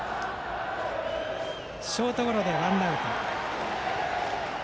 ショートゴロでワンアウト。